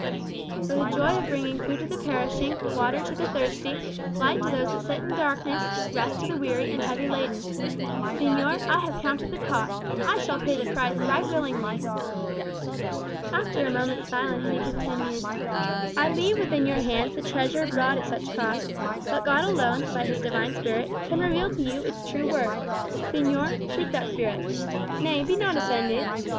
"For the joy of bringing food to the perishing, water to the thirsty, light to those that sit in darkness, rest to the weary and heavy laden. Señor, I have counted the cost, and I shall pay the price right willingly." After a moment's silence he continued: "I leave within your hands the treasure brought at such cost. But God alone, by his Divine Spirit, can reveal to you its true worth. Señor, seek that Spirit. Nay, be not offended.